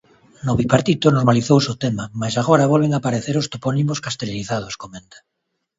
No bipartito normalizouse o tema, mais agora volven aparecer os topónimos castelanizados, comenta.